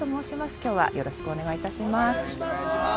今日はよろしくお願いいたします